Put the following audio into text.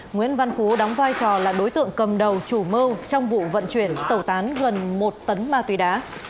nguyễn văn phú đóng vai trò là đối tượng cầm đầu chủ mưu trong vụ vận chuyển tẩu tán gần một tấn ma túy đá